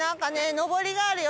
のぼりがあるよ